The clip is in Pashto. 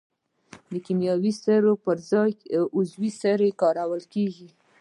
د کیمیاوي سرې پر ځای عضوي سره کارول کیږي.